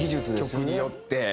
曲によって。